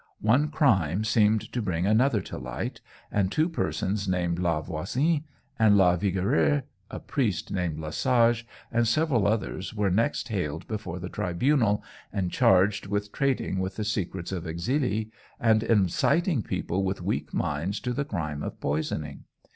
One crime seemed to bring another to light, and two persons, named La Voisin and La Vigoreux, a priest named Le Sage, and several others, were next haled before the tribunal, and charged with trading with the secrets of Exili and inciting people with weak minds to the crime of poisoning.